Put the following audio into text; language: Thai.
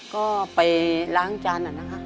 ก็ไปล้างจานนะคะ